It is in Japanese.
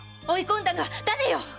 追い込んだのは誰よ